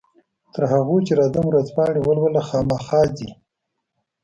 تر هغو چې راځم ورځپاڼې ولوله، خامخا ځې؟